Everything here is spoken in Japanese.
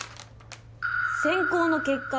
「選考の結果